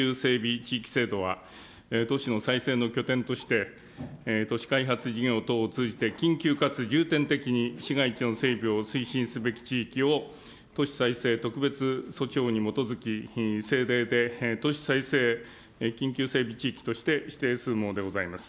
地域制度は、都市の再生の拠点として、都市開発事業等を通じて、緊急かつ重点的に市街地の整備を推進すべき地域を都市再生特別措置法に基づき、政令で都市再生緊急整備地域として指定するものでございます。